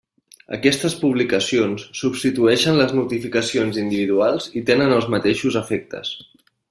Aquestes publicacions substitueixen les notificacions individuals i tenen els mateixos efectes.